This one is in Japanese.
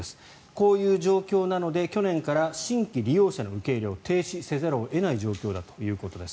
こういう状況なので去年から新規利用者の受け入れを停止せざるを得ない状況だということです。